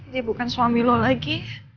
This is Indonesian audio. dia bukan suami lo lagi